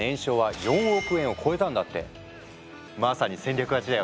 まさに戦略勝ちだよね！